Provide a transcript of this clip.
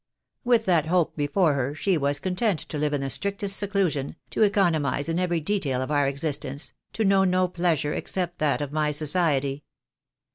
With that hope before her she was content to live in the strictest seclusion, to eco nomize in every detail of our existence, to know no pleasure except that of my society.